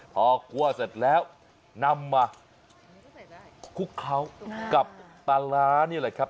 พอคั่วเสร็จแล้วนำมาคลุกเคล้ากับปลาร้านี่แหละครับ